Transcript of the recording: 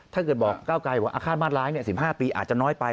ถ้าเกิดบอกก้าวไกลบอกว่าอาฆาตมาตร้าย๑๕ปีอาจจะน้อยไป